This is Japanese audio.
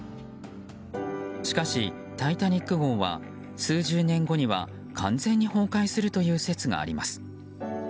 しかし、「タイタニック号」は数十年後には完全に崩壊するという説があります。